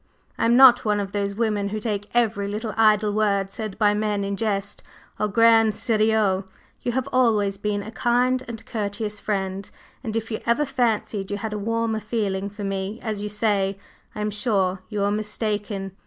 I am not one of those women who take every little idle word said by men in jest au grand serieux! You have always been a kind and courteous friend, and if you ever fancied you had a warmer feeling for me, as you say, I am sure you were mistaken.